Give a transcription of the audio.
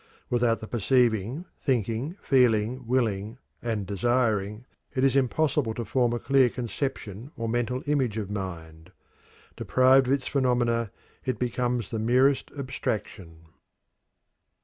Without the perceiving, thinking, feeling, willing, and desiring, it is impossible to form a clear conception or mental image of mind; deprived of its phenomena it becomes the merest abstraction.